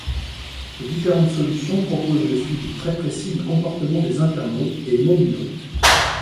Les différentes solutions proposent le suivi très précis du comportement des internautes et mobinautes.